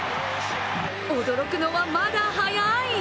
驚くのはまだ早い！